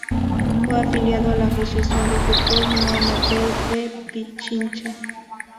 Fue afiliado a la Asociación de Fútbol No Amateur de Pichincha.